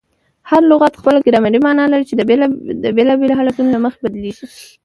هر لغت خپله ګرامري مانا لري، چي د بېلابېلو حالتو له مخي بدلیږي.